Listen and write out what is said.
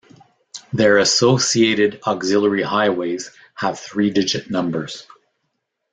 Their associated auxiliary highways have three-digit numbers.